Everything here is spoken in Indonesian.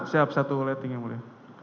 siap satu letting yang mulia